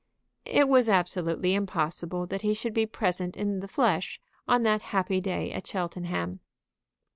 It was absolutely impossible that he should be present in the flesh on that happy day at Cheltenham.